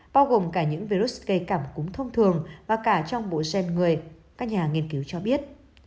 bao gồm cả những virus gây cảm cúng thông thường và cả trong bộ gen người các nhà nghiên cứu cho biết